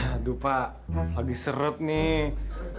aduh pak lagi seret nih